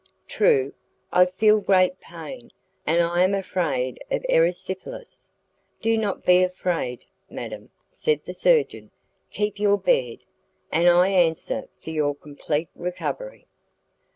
"True. I feel great pain, and I am afraid of erysipelas." "Do not be afraid, madam," said the surgeon, "keep your bed, and I answer for your complete recovery."